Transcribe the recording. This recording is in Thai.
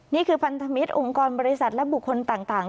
นี่คือพันธมิตรองค์กรบริษัทและบุคคลต่าง